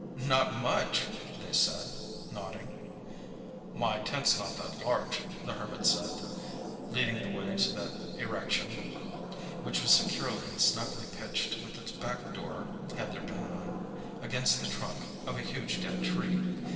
"Not much," they said, nodding. "My tent's not large," the Hermit said, leading the way to that erection, which was securely and snugly pitched with its back door (had there been one) against the trunk of a huge dead tree.